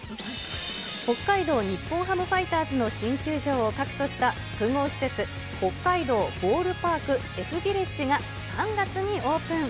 北海道日本ハムファイターズの新球場を核とした複合施設、北海道ボールパークＦビレッジが３月にオープン。